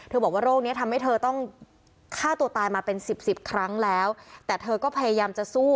บอกว่าโรคนี้ทำให้เธอต้องฆ่าตัวตายมาเป็นสิบสิบครั้งแล้วแต่เธอก็พยายามจะสู้